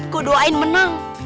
gue doain menang